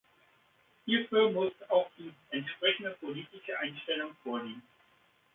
Hierfür muss auch die entsprechende politische Einstellung vorliegen.